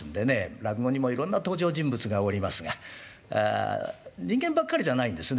落語にもいろんな登場人物がおりますが人間ばっかりじゃないんですね